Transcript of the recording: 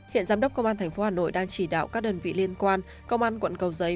hiện giám đốc công an tp hà nội đang chỉ đạo các đơn vị liên quan công an quận cầu giấy